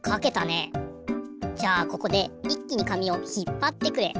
じゃあここでいっきに紙をひっぱってくれ。